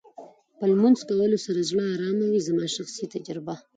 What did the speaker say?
په لمونځ کولو سره زړه ارامه وې زما شخصي تجربه.